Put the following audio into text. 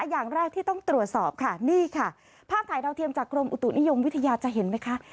อย่างแรกที่ต้องตรวจสอบค่ะนี่ค่ะภาพถ่ายดาวเทียมจากกรมอุตุนิยมวิทยาจะเห็นไหมคะ